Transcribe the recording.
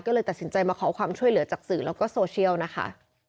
ก็เลยตัดสินใจมาขอความช่วยเหลือจากสื่อแล้วก็โซเชียลนะคะ